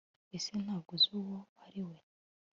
ese ntabwo uzi uwo ari we